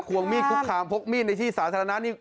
วงมีดคุกคามพกมีดในที่สาธารณะนี่